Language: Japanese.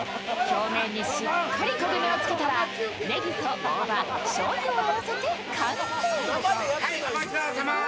表面にしっかり焦げ目を付けたら、ねぎと大葉としょうゆを合わせて完成。